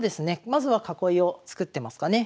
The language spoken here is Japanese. まずは囲いを作ってますかね。